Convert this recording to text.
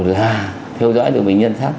là theo dõi được bệnh nhân sắp